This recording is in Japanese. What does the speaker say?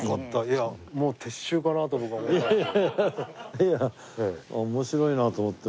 いや面白いなと思って。